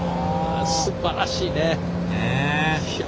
すばらしいね。